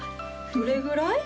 どれぐらい？